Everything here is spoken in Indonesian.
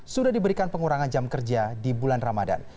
sudah diberikan pengurangan jam kerja di bulan ramadan